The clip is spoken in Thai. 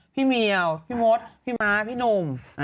พี่เมียวพี่มดพี่ม้าพี่หนุ่ม